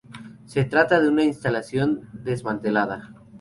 Se trata de una instalación desmantelada.